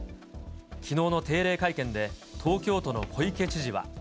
きのうの定例会見で東京都の小池知事は。